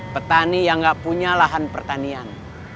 petani yang nggak punya lahan pertanian